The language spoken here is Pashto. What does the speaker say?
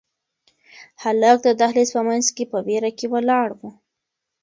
هلک د دهلېز په منځ کې په وېره کې ولاړ و.